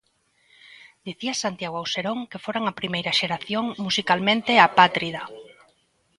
Dicía Santiago Auserón que foran a primeira xeración musicalmente apátrida.